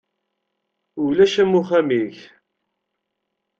Ulac am uxxam-ik.